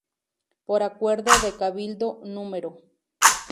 Por acuerdo de cabildo núm.